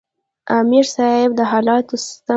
امیر صېب د حالاتو ستم،